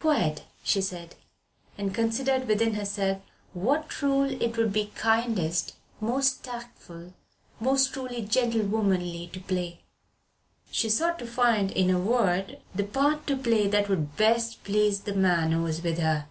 "Quite," she said, and considered within herself what rôle it would be kindest, most tactful, most truly gentlewomanly to play. She sought to find, in a word, the part to play that would best please the man who was with her.